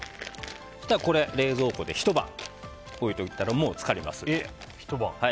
これを冷蔵庫でひと晩置いておいたらもう漬かりますので。